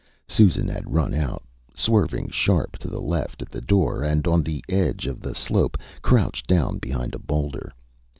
Susan had run out, swerving sharp to the left at the door, and on the edge of the slope crouched down behind a boulder.